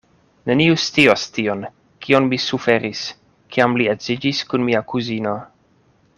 Neniu scios tion, kion mi suferis, kiam li edziĝis kun mia kuzino.